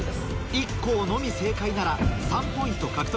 １校のみ正解なら３ポイント獲得。